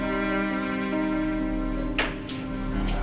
boleh boleh boleh